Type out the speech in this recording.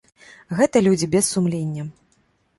Гэта людзі без сумлення.